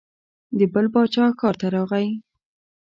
د بل باچا ښار ته راغی.